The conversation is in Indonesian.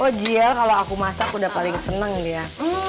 oh jiel kalau aku masak udah paling seneng dia